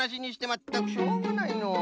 まったくしょうがないのう。